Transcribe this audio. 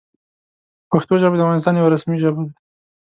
پښتو ژبه د افغانستان یوه رسمي ژبه ده.